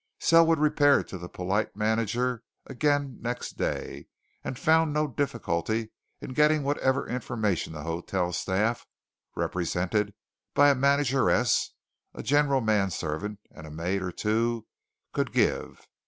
Selwood repaired to the polite manager again next day and found no difficulty in getting whatever information the hotel staff represented by a manageress, a general man servant, and a maid or two could give.